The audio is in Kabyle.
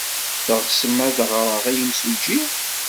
Teɣsem ad d-ɣreɣ i yimsujji?